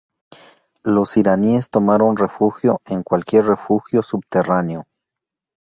Los iraníes tomaron refugio en cualquier refugio subterráneo.